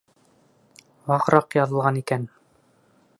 Вағыраҡ яҙылған икән...